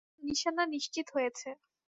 নিশানা নিশ্চিত হয়েছে।